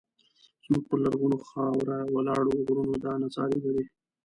زموږ پر لرغونې خاوره ولاړو غرونو دا نڅا لیدلې.